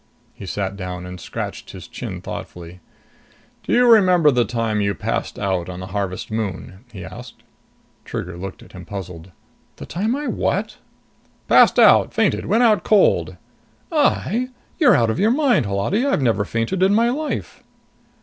He sat down and scratched his chin thoughtfully. "Do you remember the time you passed out on the Harvest Moon?" he asked. Trigger looked at him, puzzled. "The time I what?" "Passed out. Fainted. Went out cold." "I? You're out of your mind, Holati! I never fainted in my life."